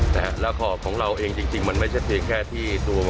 และขอบของเราเองจริงมันไม่ใช่เพียงแค่ที่ตัว